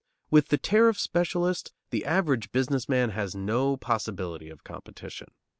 With the tariff specialist the average business man has no possibility of competition.